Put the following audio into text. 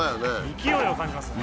勢いを感じますね。